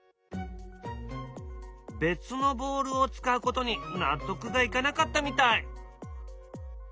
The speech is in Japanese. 別のボールを使うことに納得がいかなかったみたい。